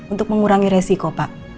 untuk mengurangi resiko pak